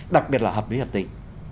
đặc biệt là hợp với hợp tỉnh